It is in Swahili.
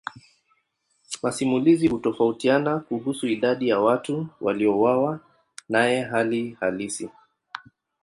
Masimulizi hutofautiana kuhusu idadi ya watu waliouawa naye hali halisi.